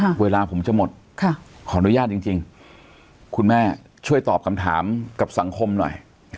เวลาผมจะหมดค่ะขออนุญาตจริงจริงคุณแม่ช่วยตอบคำถามกับสังคมหน่อย